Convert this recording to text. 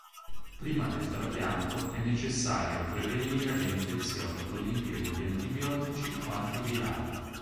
Prima del trapianto, è necessario prevenire le infezioni con l'impiego di antibiotici o antivirali.